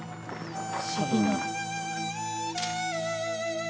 不思議な。